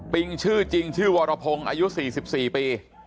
ิงชื่อจริงชื่อวรพงศ์อายุ๔๔ปี